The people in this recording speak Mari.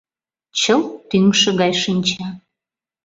Чылт тӱҥшӧ гай шинча.